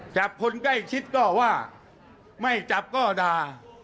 จับคนใกล้ชิดก็ว่าไม่จับก็ด่า